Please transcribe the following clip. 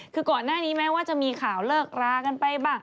คือก่อนหน้านี้แม้ว่าจะมีข่าวเลิกรากันไปบ้าง